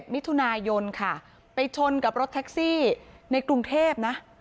มิถุนายนค่ะไปชนกับรถแท็กซี่ในกรุงเทพนะ